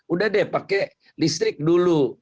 udah deh pakai listrik dulu